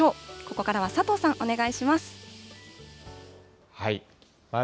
ここからは佐藤さん、お願いしま